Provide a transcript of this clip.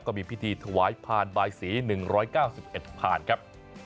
ก็มีพิธีถวายผ่านบายสี๑๙๑ผ่านครับ